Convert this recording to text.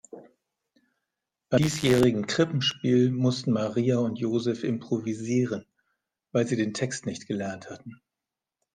Beim diesjährigen Krippenspiel mussten Maria und Joseph improvisieren, weil sie den Text nicht gelernt hatten.